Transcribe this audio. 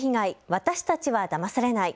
私たちはだまされない。